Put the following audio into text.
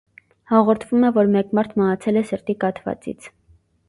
Հաղորդվում է, որ մեկ մարդ մահացել է՝ սրտի կաթվածից։